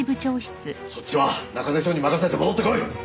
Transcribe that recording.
そっちは中根署に任せて戻ってこい。